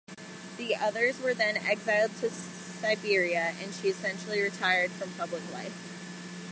The others were then exiled to Siberia and she essentially retired from public life.